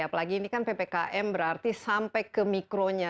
apalagi ini kan ppkm berarti sampai ke mikronya